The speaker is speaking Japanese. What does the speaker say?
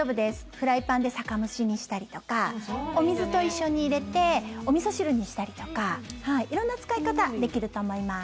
フライパンで酒蒸しにしたりとかお水と一緒に入れておみそ汁にしたりとか色んな使い方できると思います。